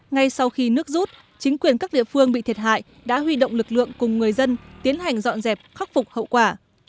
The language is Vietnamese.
ngay sau khi nước rút chính quyền các địa phương bị thiệt hại đã huy động lực lượng cùng người dân tiến hành dọn dẹp khắc phục hậu quả